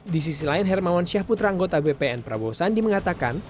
di sisi lain hermawan syahputra anggota bpn prabowo sandi mengatakan